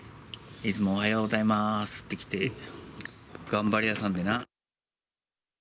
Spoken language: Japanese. いつもおはようございますって来て、頑張り屋さんでな。